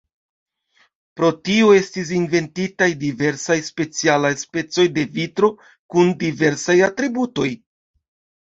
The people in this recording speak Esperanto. Pro tio estis inventitaj diversaj specialaj specoj de vitro kun diversaj atributoj.